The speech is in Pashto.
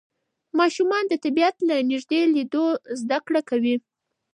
ماشومان د طبیعت له نږدې لیدلو زده کړه کوي